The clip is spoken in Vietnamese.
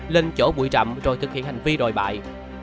lên chỗ bụi rậm rồi thực hiện hành vi đồi bại